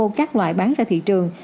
làm cá khô các loại bán ra thị trường